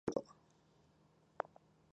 洗濯物が溜まる。